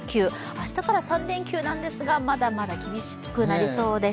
明日から３連休なんですがまだまだ厳しくなりそうです。